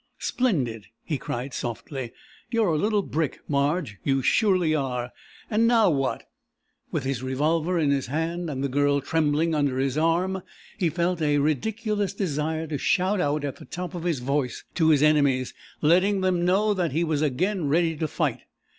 "Splendid!" he cried softly. "You're a little brick, Marge you surely are! And now what?" With his revolver in his hand, and the Girl trembling under his arm, he felt a ridiculous desire to shout out at the top of his voice to his enemies letting them know that he was again ready to fight.